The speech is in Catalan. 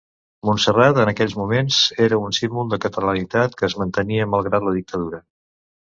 Montserrat, en aquells moments, era un símbol de catalanitat que es mantenia malgrat la dictadura.